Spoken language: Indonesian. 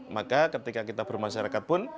maka ketika kita bermasyarakat pun